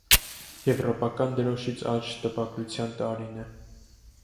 Եվրոպական դրոշից աջ տպագրության տարին է։